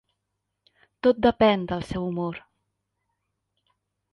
Tot depèn del seu humor.